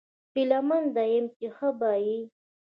هیله مند یم چې ښه به یې